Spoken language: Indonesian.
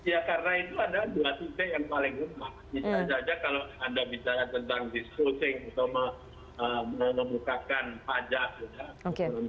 ya karena itu ada dua titik yang paling utama